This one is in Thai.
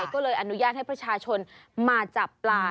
ก็เลยอนุญาตให้ประชาชนมาจับปลา